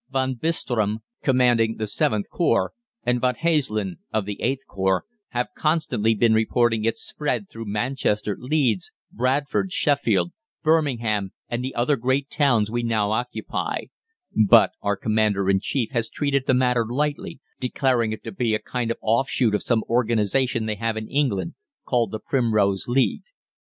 Von Bistram, commanding the VIIth Corps, and Von Haeslen, of the VIIIth Corps, have constantly been reporting its spread through Manchester, Leeds, Bradford, Sheffield, Birmingham and the other great towns we now occupy; but our Commander in Chief has treated the matter lightly, declaring it to be a kind of offshoot of some organisation they have in England, called the Primrose League....